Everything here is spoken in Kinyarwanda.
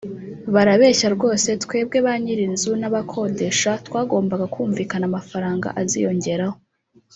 ”Barabeshya rwose twebwe bany’ir’inzu n’abakodesha twagombaga kumvikana amafaranga aziyongeraho